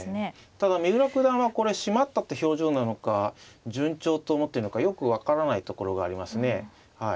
ただ三浦九段はこれしまったという表情なのか順調と思ってるのかよく分からないところがありますねはい。